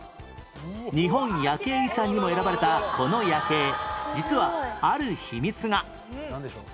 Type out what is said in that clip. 日本夜景遺産にも選ばれたこの夜景実はある秘密が